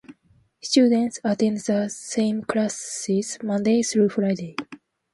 Students attend the same classes Monday through Friday.